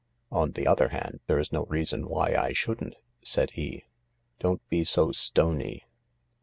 " On the other hand, there's no reason why I shouldn't," said he. " Don't be so stony.